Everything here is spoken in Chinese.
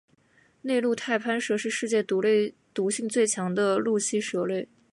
内陆太攀蛇是世界毒性最强的陆栖蛇类。